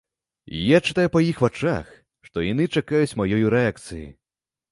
І я чытаю па іх вачах, што яны чакаюць маёй рэакцыі.